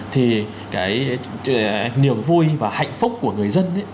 thì cái niềm vui và hạnh phúc của người dân